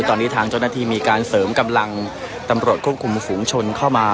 ตอนนี้ทางเจ้าหน้าที่มีการเสริมกำลังตำรวจควบคุมฝูงชนเข้ามา